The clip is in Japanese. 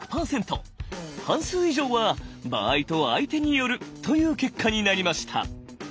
半数以上は「場合と相手による」という結果になりました。